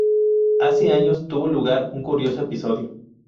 Hace años tuvo lugar un curioso episodio.